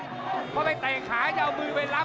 พอไปแต่ขาจะเอามือไปรับ